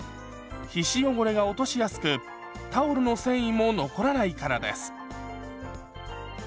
皮脂汚れが落としやすくタオルの繊維も残らないからです。